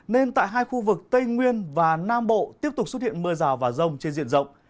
nên tại hai khu vực tây nguyên và nam bộ tiếp tục xuất hiện mưa rào và rông trên diện rộng